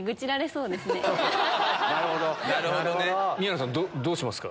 宮野さんどうしますか？